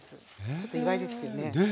ちょっと意外ですよね。